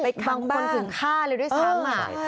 บางคนถึงฆ่าเลยด้วยซ้ำ